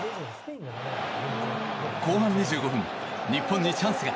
後半２５分、日本にチャンスが。